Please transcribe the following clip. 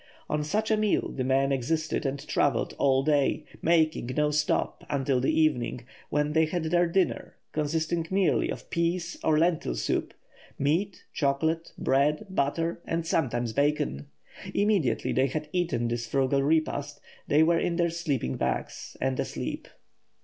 On such a meal the men existed and travelled all day, making no stop until the evening, when they had their dinner, consisting merely of pease or lentil soup, meat, chocolate, bread, butter, and, sometimes, bacon. Immediately they had eaten this frugal repast they were in their sleeping bags and asleep.